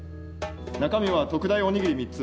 中身は特大お握り３つ。